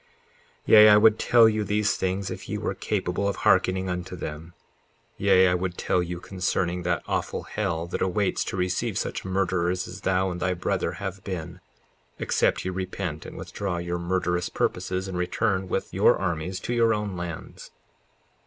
54:7 Yea, I would tell you these things if ye were capable of hearkening unto them; yea, I would tell you concerning that awful hell that awaits to receive such murderers as thou and thy brother have been, except ye repent and withdraw your murderous purposes, and return with your armies to your own lands.